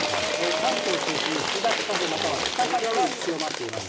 関東を中心に、東風、または北風が強まっています。